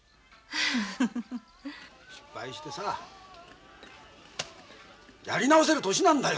失敗してさやり直せる年なんだよ